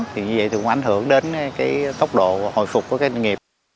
thì như vậy thì cũng ảnh hưởng đến cái tốc độ hồi phục của các doanh nghiệp